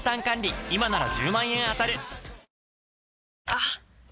あっ！